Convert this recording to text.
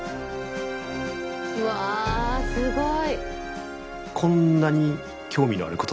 うわすごい。